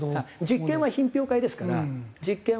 実験は品評会ですから実験は。